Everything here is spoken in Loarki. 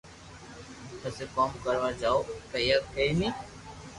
پسي ڪوم ڪروا جاو پييا ڪئي ني